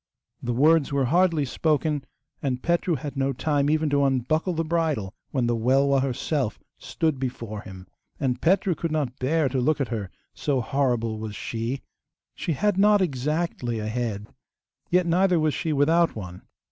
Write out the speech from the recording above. The words were hardly spoken, and Petru had no time even to unbuckle the bridle, when the Welwa herself stood before him; and Petru could not bear to look at her, so horrible was she. She had not exactly a head, yet neither was she without one.